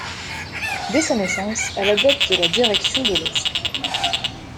Dès sa naissance, elle adopte la direction de l'est.